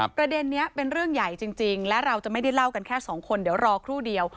ประเด็นนี้เป็นเรื่องใหญ่จริงและเราจะไม่ได้เล่ากันแค่สองคนเดี๋ยวรอครู่เดียว